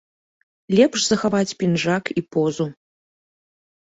Лепш захаваць пінжак і позу.